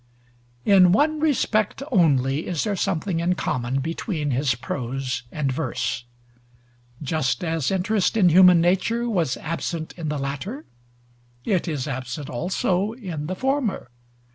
In one respect only is there something in common between his prose and verse: just as interest in human nature was absent in the latter, it is absent also in the former.